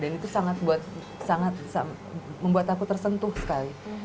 dan itu sangat membuat aku tersentuh sekali